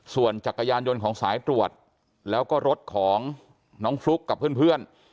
ส่วนจักรยานยนต์ของสายตรวจแล้วก็รถของน้องฟลุ๊กกับเพื่อน